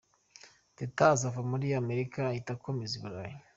Teta azava muri Amerika ahita akomereza i Burayi.